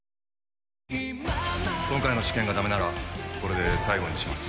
今回の試験がだめならこれで最後にします。